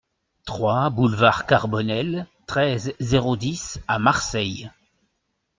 trois boulevard Carbonnel, treize, zéro dix à Marseille